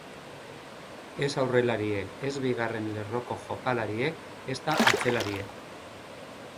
Ez aurrelariek, ez bigarren lerroko jokalariek ezta atzelariek.